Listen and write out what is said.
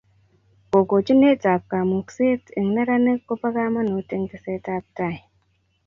kokochinet ab kamukset eng neranik kopa kamanut eng tesetab ab tai